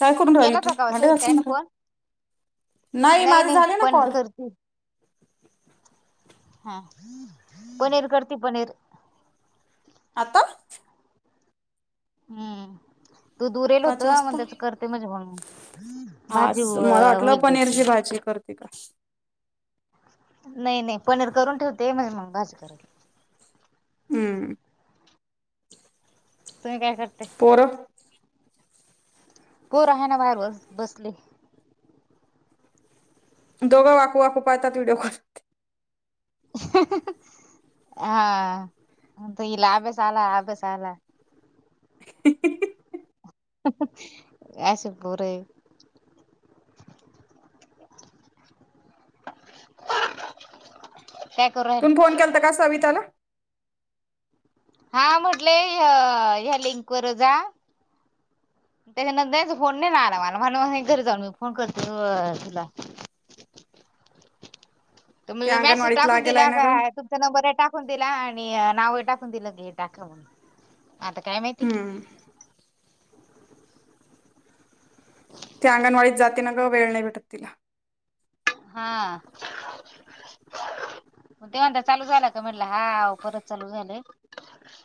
काय करून राहिली केला तू का व भांडे घासून सविताताईन फोन? राहिली नाही माझे नाही झाले ना बंद कॉल करते हा पनीर करती पनीर आता हुं दूध उरेल होत पाच मग वाजता त्याच करते म्हणजे म्हणून भाजी होईल त्याची ठीक आहे नाही नाही पनीर करून ठेवते म्हणजे मग भाजी करते हुं तुम्ही काय करते होर पोर आहे ना बाहेर बस बसली दोघं वाकू वाकू पाहतात व्हिओॉल हा अ इला आभे सला आभे सला [inaudible] असशी पुरे [inaudible] करू तुम राहिले फोन केला तर का सविताला हा म्हटले ह ह लिंक व जा त्याच्यान नाहीच फोन नाही नाही आला मला म्हण घरी जाऊन मी फोन करतो तुला तु म ते मेसेज अंगणवाडीत टाकून लागेल दिला आहे ना ग का नंबर टाकून दिला आणि नाव टाकून दिलं घे टाकवून आता काय माहिती हम्म ते अंगणवाडीत जाते ना का वेळ नाही भेटत तिला हा ते म्हणता चालू झाला का म्हटलं हा परत चालू झाले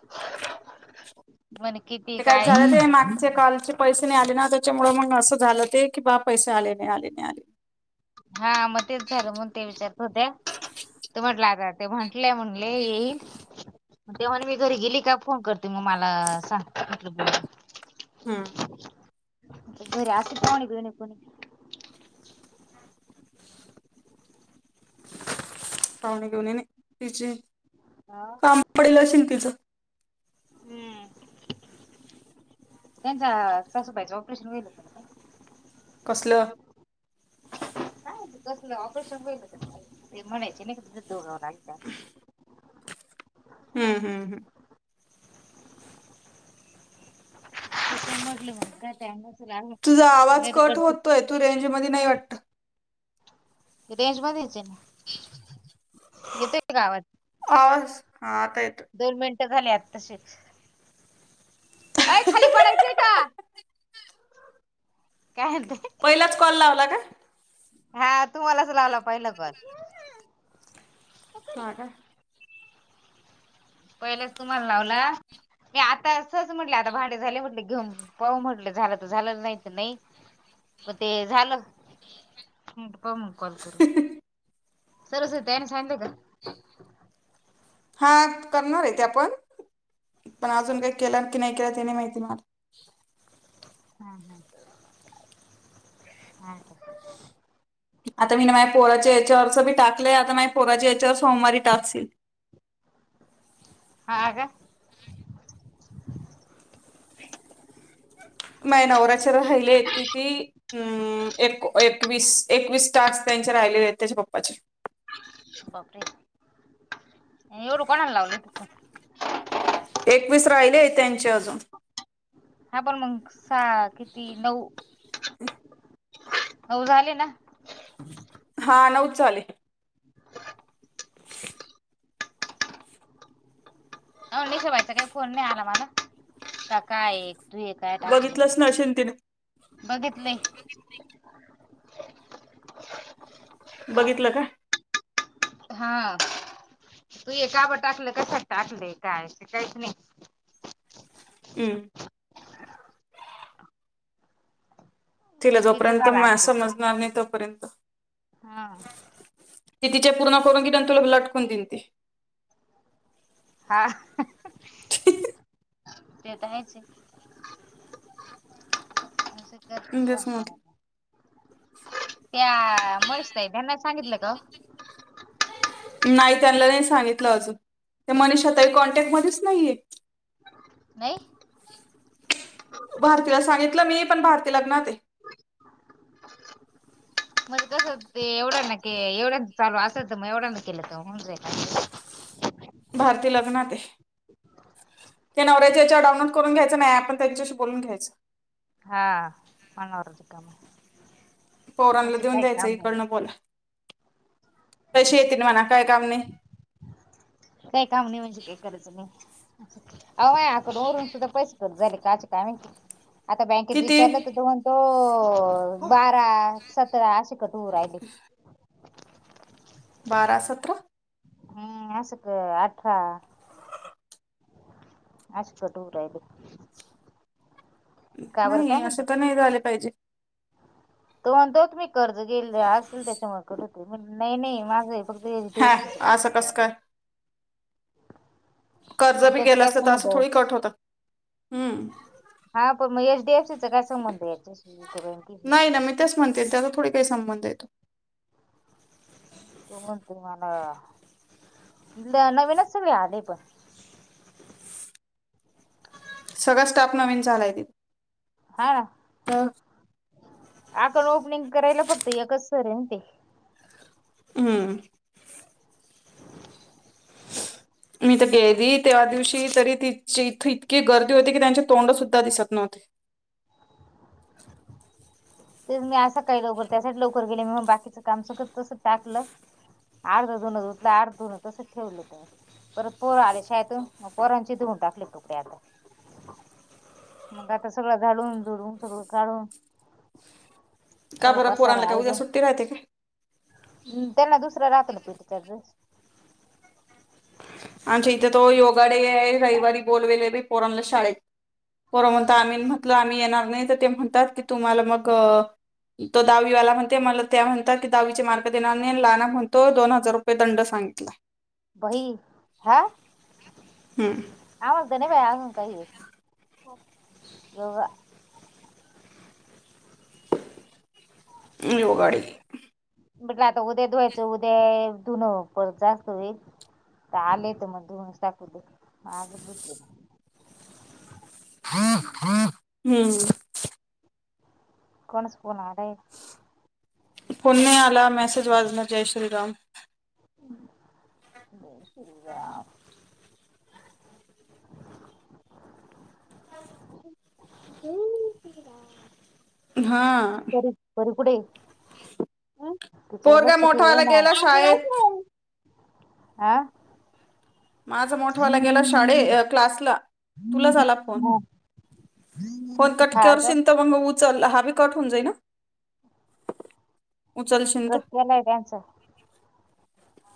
[unintelligible] म्हने किती ते काय झालं ते मागचे कॉलचे पैसे नाही आले ना त्याच्यामुळे मग असं झालं ते की बा पैसे आले, नाही आले, नाही आले. हा मग तेच झालं म्हण ते विचारत होत्या ते म्हटलं आता ते म्हंटलं म्हण अ ग तेव्हा मी घरी गेली का फोन करते मग मला सांग म्हट ब हम्म घर अस पाणी पिणे कोणी वणी घेऊन तिची काम पडेल असशेील तिचं हम्म त्यांचा सासूबाईचं ऑपरेशन गईल कसलं ह बसपरेशन ते म चन बयता हम्म हम् हम म्हटलं मग का त्यांना तुझा आवाज कट होतोय तू रेंज मध्ये नाही वाटत रेंज मध्येच ना येतय गावात अ हा आता येतो दोन मिनटं झालीत तसे अय खाली पडायचेय का काय ते पहिलाच कॉल लावला का हा तुम्हालाच लावला पाहिलं ग ह का पहिलेच तुम्हाला लावला आता असच म्हटलं आता भाडे झाले म्हटले घम पाऊ म्हटले झालं तर झालं नाही तर नाही प ते झालं प मग कॉल करू सरव अस त्याने सांगलं का हा करणार आहे तेे आपण पण अजून काही केलं की नाही केलं त्या नाही माहिती म हम् हम् हम आता मी ना माझ पोराच्या याच्यावरस बी टाकलंय आता माझ पोराचे याच्यावर सोमवारी टाकशील ह म नवऱ्याच्या राहिले कि ती हम्म एक एकवीस एकवीस टाास त्यांचे राहिलेले आहेत त्याच्या पप्पाचे बापरे एवढं कोणाला लावले तु एकवीस राहिलेय त्यांचे अजून हा पण मग सा किती नऊ हो झाले ना हा नऊच चाले [inaudible] हो निशेवायचा काही फोन नाही आला मला का काय तू हे बघितलंच ना अशिल तिने बघितले बघितलं का हा तू एक कावर टाकलं कशात टाकलं काय काहीच नाही हम तला मग तिचं जोपर्यंत झालं म असत समजणार नाही तोपर्यंत हा ती तिच्या पूर्ण करून की तुला लटकून दिन ते हा ते तरयच [inaudible] तेच म्हटलं त्या मुच ताईना सांगितलं का? नाही त्यांना नाही सांगितलं अजून ते मनीष आताही कॉन्टॅक्ट मध्येच नाहीये. नाही. भारतीला सांगितलं मी पण भारती लग्ते. मग कसं ते एवढं न के एवढा चालू असेत मग एवढा न केलं तरऊ भारतीय लग्नात आहे. ते नवर्याजच्या डाउनलड करून घ्यायच नाही आपण त्यांच्याशी बोलून घ्यायचं. हा मण वर ज काम पोरांला म्हणजे देऊन काही द्यायचं काम नाही इकडनं बोला तसे येतील म्हणा काय कामने काही काम नाही म्हणजे काही करायचं नाही. अय आकडून उरून सुद्धा पैसे करत झाले काचे काय? आता बँकेत किती विचारलं तर दोन तो बारा सतरा अे कटू राहिली. बारा सतरा मासक अठरा अशछट उरा आहेे. नाही असं माहिती तर नाही झाले पाहिजे. तो म्हणतो होत मी कर्ज गेले असेल त्याच्यामुळे कठ होते नाही नाही माझं. प्रवेेश हा डेपस असं कसं चाली. काय कर्ज बी त्याचा गेलं काय असल तर संबंध असं आहे थोडी कट होतात हम्म. हा पण मग एच डीएफ सीचा काय संबंध आहे याच्याशी बँकेशी त्याच म्हणते त्या थोडी काही संबंध येतो. तण तुम्हाला नवीनच सळे आले पण सगळां स्टाफ नवीन चालाय त हा आपकण ओपनिंग करायला फक्त एकच सर आहे ना ते हम. मी तर गेली त्या दिवशी तरी तिची इथ इतकी गर्दी होती की त्यांचे तोंड सुद्धा दिसत नव्हते. तेच मी असं काही लवकर त्यासाठी लवकर गेले मी मग बाकीचं काम सग तस टाकलं. अर्धा दोनलं अर्ध दोन तसंच ठेवलं हो ते परत पोरं आले शायेत पोरांचे धुऊन टाकले कपडे आता मग आता सगळं धडून धुडून सगळं काढून का सगळं बरा पोर पसारा आणला काय उद्या सुट्टी राहते का? हम् त्यांना दुसरा रातन पीठ र आमच्या इथे तो योगाडे आहे रविवारी बोलवेले पोरमला शाळेत को म्हण आम्ही म्हटल आम्ही येणार नाही तर ते म्हणतात की तुम्हाला मग तो दहावीवाला म्हणते मला त्या म्हणतात की दहावीचे मार्क देणार नाही ला ना म्हणतो दोन हजार रुपये दंड सांगितला. बही हा. हम्म. आवागद न बाय आगून काय योग योगाडी म्हटलं आता उद्या धुवायचं उद्या धुणं जास्त होईल. आलेेत मग द टाकवत माज दु हा हा. कोण स्पोून आड. कोणी आला मेसेज वाजणार जय श्रीराम शला हा. बरी पुुठे तिच्यावर पोरगा लक्ष ठेवा मोठावाला ना. गेला शाळेत आं. माझा मोठवाला गेला शाळे क्लासला तुला झाला फोन फोन हा कटकर् का शंत मंग उचल हा बी कट होऊन जाई ना कट उचलशिनत. केलाय त्यांचा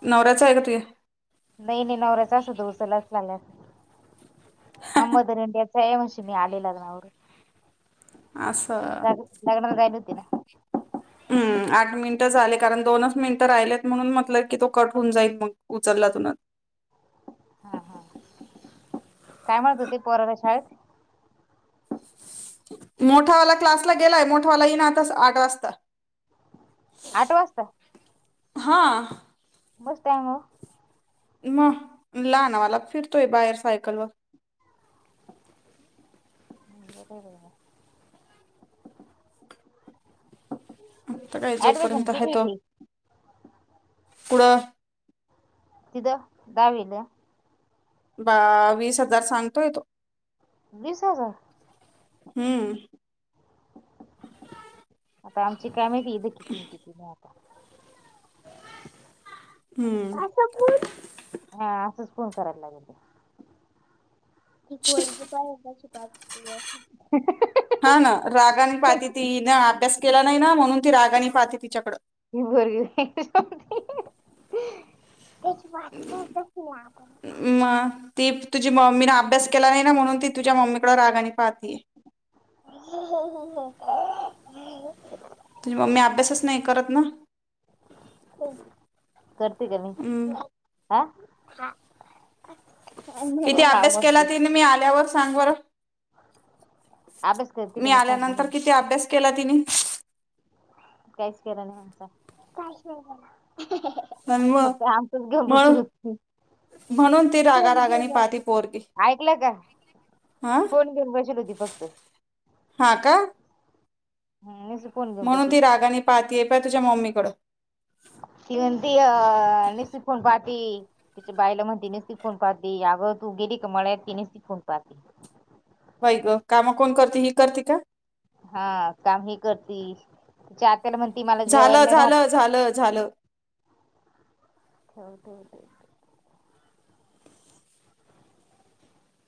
नवऱ्याचं आहे का तूझ्या? नाही नाही नवऱ्याचा असता तर उचलला [unintelligible] हा मदर इंडिया [unintelligible] मी आले लग्नावरून. असं लग्नाला जायेल होती ना. हम् आठ मिनिटं झाले कारण दोनच मिनिटं राहिल्यात म्हणून म्हटलं कि तो कट होऊन जाईल मग उचलला तुन. हा हा काय म्हणत होती पोराला शाळेत मोठावाला क्लासला गेलाय मोठावाला येई ना आता आठ वाजता. आठ वाजता. हा. मस्त आहे मग. म लहानावाला फिरतोय बाहेर सायकलवर. अरे देवा. आता काय ऍडमिशन जोपर्यंत आहे किती तो ती पुढं तिथं दहावीला. बा वीस हजार सांगतोय तो. वीस हजार? हम्म आता आमची काय माहिती इथं किती आहे अन् किती नाही आता. हम्म. हा असंच फोन करायला लागेल. [unintelligible] पाच. [unintelligible] हा ना रागाने पाहती ती हीन अभ्यास केला नाही ना म्हणून ती रागाने पाहते तिच्याकडं. बरंय. [unintelligible] तेच. [unintelligible] म. ती तुझी मम्मीन अभ्यास केला नाही ना म्हणून ती तूझ्या मम्मीकड रागानी पाहतीये. [unintelligible] तुझी मम्मी अभ्यासच नाही करत ना. हम्म. आ? किती अभ्यास केला तिने मी आल्यावर सांग बर? अभ्यास करते का मी नाही सांग ना. आल्यानंतर किती अभ्यास केला तिनी? काहीच केला नाही म्हणा. काहीच केला नाही. आणि मग फक्त आमचच घेऊन बसेल म्हणून होती. म्हणून ती रागा रागाने पाहती पोरगी [unintelligible] ऐकलं का? हा फोन घेऊन बसेल होती फक्त. हा का? हम्म, नुसती फोन घेऊन बसत म्हणून ती होती रागाने पाहतीये पहाय तुझ्या मम्मीकडं. ती म्हणती अ निसती फोन पहाती. तिच्या बाईला म्हणती निसती फोन पहाती. अगं तू गेली का मळ्यात ती निसती फोन पहाती. बाई ग काम कोण करत ही करती का? हा काम ही करती? तिच्या आत्याला म्हणती मला जेवायला झालं नाही घातलं. झालं झालं झालं ठेव, ठेव, ठेव.